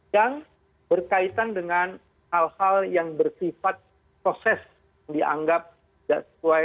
yang berkaitan dengan hal hal yang bersifat proses yang dianggap tidak sesuai